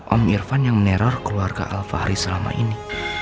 om irfan yang meneror keluarga alfahri selama ini